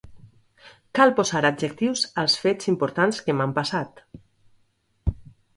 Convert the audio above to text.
Cal posar adjectius als fets importants que m'han passat.